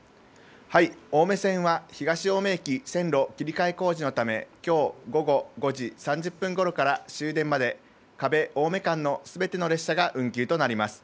青梅線は東青梅駅線路切替工事のため、きょう午後５時３０分ごろから終電まで、河辺・青梅間のすべての列車が運休となります。